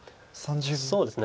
そうですね